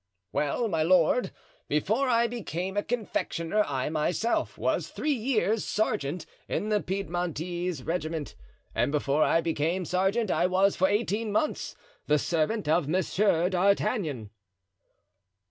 "Well, my lord, before I became a confectioner I myself was three years sergeant in the Piedmontese regiment, and before I became sergeant I was for eighteen months the servant of Monsieur d'Artagnan."